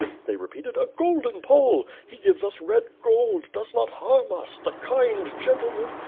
they repeated, "A golden Pole. He gives us red gold, does not harm us, the kind gentleman.